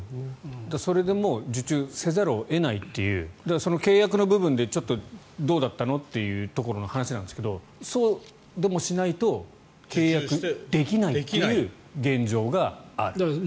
それでも受注せざるを得ないというその契約の部分でどうだったのというところ話なんですけどそうでもしないと契約できないという現状がある。